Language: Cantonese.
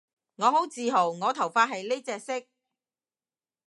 我好自豪我頭髮係呢隻色